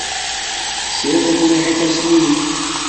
Ssired mliḥ ifassen-nnek.